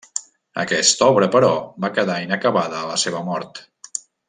Aquesta obra, però, va quedar inacabada a la seva mort.